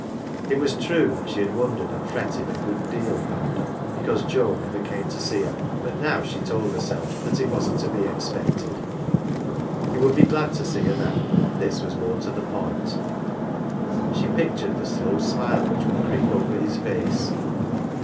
It was true that she had wondered and fretted a good deal "yonder,' 1 '' because Joe never came to see her, but now she told herself that it wasn^t to be expected. He would l)e glad to see her now this was more to the point. She pictured the slow smile which would creep over his face.